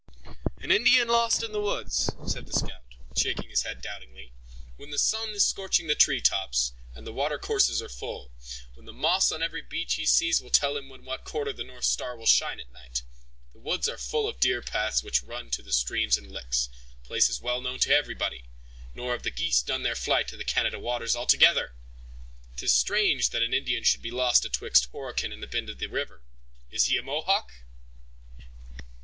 "An Indian lost in the woods!" said the scout, shaking his head doubtingly; "When the sun is scorching the tree tops, and the water courses are full; when the moss on every beech he sees will tell him in what quarter the north star will shine at night. The woods are full of deer paths which run to the streams and licks, places well known to everybody; nor have the geese done their flight to the Canada waters altogether! 'Tis strange that an Indian should be lost atwixt Horican and the bend in the river! Is he a Mohawk?"